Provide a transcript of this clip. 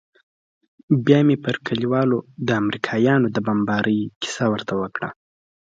بيا مې پر كليوالو د امريکايانو د بمبارۍ كيسه ورته وكړه.